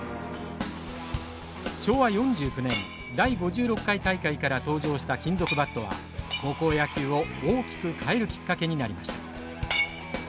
昭和４９年第５６回大会から登場した金属バットは高校野球を大きく変えるきっかけになりました。